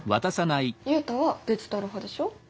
ユウタはデジタル派でしょ？